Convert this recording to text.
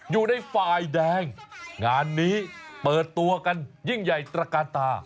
อยู่ในฝ่ายแดงงานนี้เปิดตัวกันยิ่งใหญ่ตระกาลตา